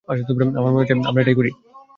আমার মনে হচ্ছে যে, আমরা এটাই করি।